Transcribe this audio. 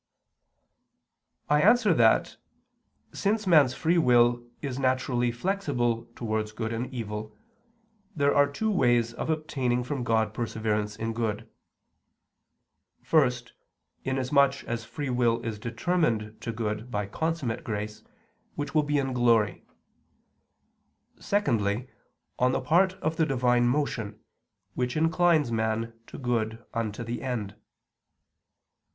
I answer that, Since man's free will is naturally flexible towards good and evil, there are two ways of obtaining from God perseverance in good: first, inasmuch as free will is determined to good by consummate grace, which will be in glory; secondly, on the part of the Divine motion, which inclines man to good unto the end.